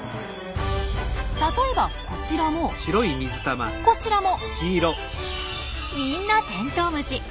例えばこちらもこちらもみんなテントウムシ。